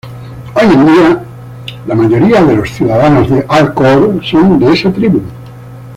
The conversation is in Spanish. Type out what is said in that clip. Hoy en día, la mayoría de los ciudadanos de Al-Khor son de esa tribu.